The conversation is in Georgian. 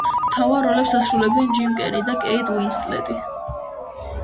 მთავარ როლებს ასრულებენ ჯიმ კერი და კეიტ უინსლეტი.